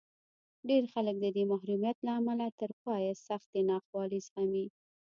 ډېر خلک د دې محرومیت له امله تر پایه سختې ناخوالې زغمي